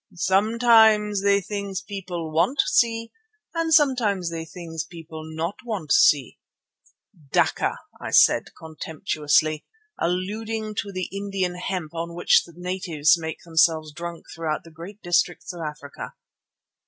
"Sometimes they things people want see, and sometimes they things people not want see." "Dakka," I said contemptuously, alluding to the Indian hemp on which natives make themselves drunk throughout great districts of Africa.